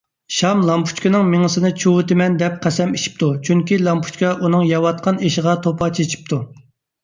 شام لامپۇچكىنىڭ مېڭىسىنى چۇۋۇۋېتىمەن دەپ قەسەم ئىچىپتۇ، چۈنكى لامپۇچكا ئۇنىڭ يەۋاتقان ئېشىغا توپا چېچىپتۇ.